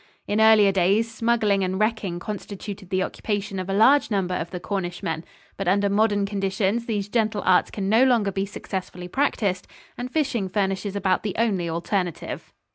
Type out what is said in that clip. In earlier days, smuggling and wrecking constituted the occupation of a large number of the Cornishmen, but under modern conditions these gentle arts can no longer be successfully practiced, and fishing furnishes about the only alternative.